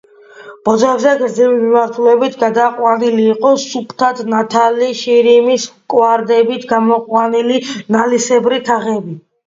ბოძებზე გრძივი მიმართულებით გადაყვანილი იყო სუფთად ნათალი შირიმის კვადრებით გამოყვანილი, ნალისებრი თაღები.